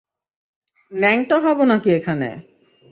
ন্যাংটা হবো নাকি এখানে?